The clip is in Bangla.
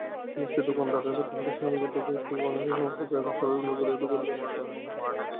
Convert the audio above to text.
নিশ্চয় দোকানদারেরা তাঁহার স্বামীকে ঠকাইয়াছে এবং বাংলাদেশের সমস্ত ক্রেতা ষড়যন্ত্র করিয়া দোকানদারদের ঠকাইয়াছে।